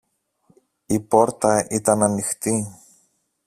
Η πόρτα ήταν ανοιχτή.